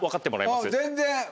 全然。